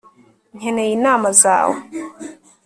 nkeneye inama zawe